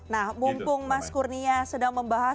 nah mumpung mas kurnia sedang membahas